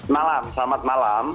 malam selamat malam